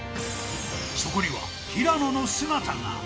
そこには、平野の姿が。